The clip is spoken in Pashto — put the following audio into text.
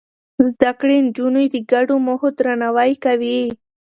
زده کړې نجونې د ګډو موخو درناوی کوي.